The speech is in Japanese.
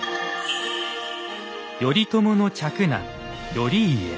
頼朝の嫡男頼家。